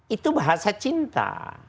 itu bahasa cinta